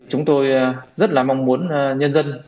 chúng tôi rất mong muốn nhân dân